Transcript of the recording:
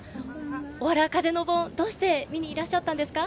おわら風の盆、どうして見にいらっしゃったんですか？